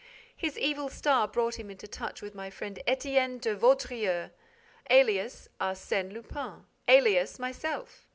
His evil star brought him into touch with my friend Étienne de Vaudreix, alias Arsène Lupin, alias myself.